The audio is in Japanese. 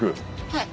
はい。